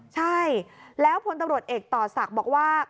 ใช่แล้วพลตำรวจเอกต่อศักดิ์บอกว่า